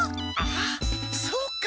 あそうか。